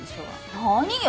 何よ